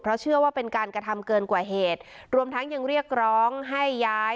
เพราะเชื่อว่าเป็นการกระทำเกินกว่าเหตุรวมทั้งยังเรียกร้องให้ย้าย